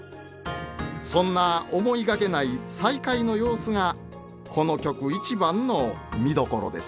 そんな思いがけない再会の様子がこの曲一番の見どころです。